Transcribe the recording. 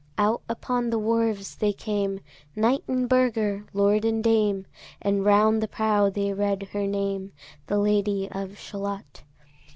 Out upon the wharfs they came, Knight and burgher, lord and dame, And round the prow they read her name, The Lady of Shalott.